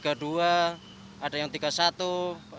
rp tiga puluh dua ada yang rp tiga puluh satu